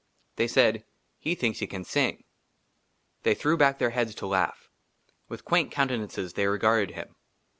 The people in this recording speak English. THEY SAID, " HE THINKS HE CAN SING." THEY THREW BACK THEIR HEADS TO LAUGH. WITH QUAINT COUNTENANCES THEY REGARDED HIM.